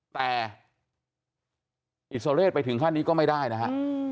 แต่ไปถึงขั้นนี้ก็ไม่ได้นะฮะ